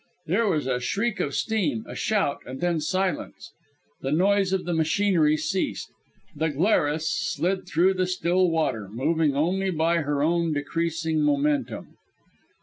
There was a shriek of steam, a shout and then silence. The noise of the machinery ceased; the Glarus slid through the still water, moving only by her own decreasing momentum.